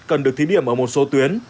cần được thí điểm ở một số tuyến